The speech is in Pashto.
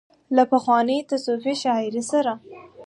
له پخوانۍ تصوفي شاعرۍ سره